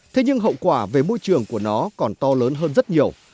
thế nhưng hậu quả về môi trường của nó còn to lớn hơn rất nhiều